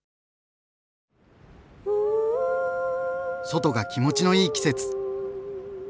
外が気持ちのいい季節！